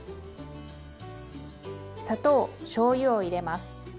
砂糖しょうゆを入れます。